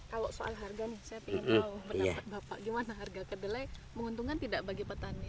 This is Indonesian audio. kalau soal harga nih saya ingin tahu pendapat bapak gimana harga kedelai menguntungkan tidak bagi petani